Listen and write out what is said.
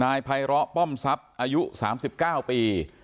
นายพายระป้อมซับอายุ๓๙ปี